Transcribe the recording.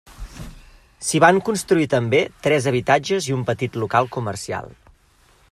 S'hi van construir també tres habitatges i un petit local comercial.